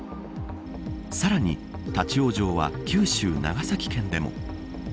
さらに立ち往生は、九州、長崎県でも。